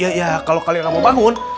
ya ya kalo kalian gak mau bangun